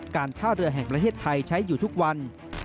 การท่าเรือแห่งประเทศไทยใช้อยู่ทุกวัน